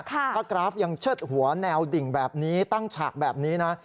ถ้ากราฟยังเชิดหัวแนวดิ่งแบบนี้ตั้งฉากแบบนี้นะ